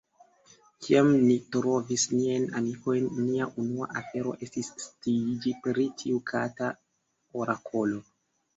Kiam ni trovis niajn amikojn, nia unua afero estis sciiĝi pri tiu kata orakolo.